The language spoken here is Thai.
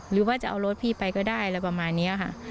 หรือว่าจะเอารถพี่ไปก็ได้อะไรประมาณนี้ค่ะ